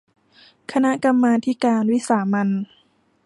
คณะกรรมาธิการวิสามัญ